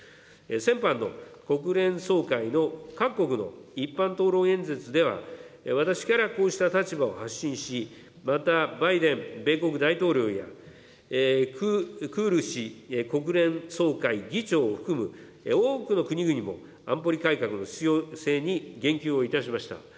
先般の国連総会の各国の一般討論演説では、私からこうした立場を発信し、また、バイデン米国大統領や、クールシ国連総会議長を含む、多くの国々も安保理改革の必要性に言及をいたしました。